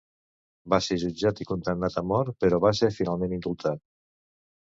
Va ser jutjat i condemnat a mort però va ser finalment indultat.